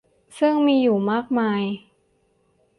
ซึ่งมีอยู่มากมาย